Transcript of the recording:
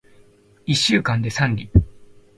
一週間で三里